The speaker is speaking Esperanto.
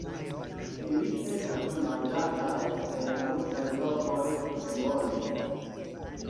Ili estas manĝataj en multaj lokoj tutmonde.